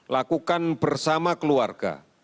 lakukan bersama keluarga